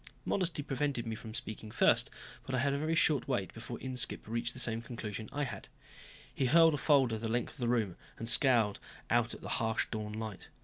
Modesty prevented me from speaking first, but I had a very short wait before Inskipp reached the same conclusion I had. He hurled a folder the length of the room and scowled out at the harsh dawn light.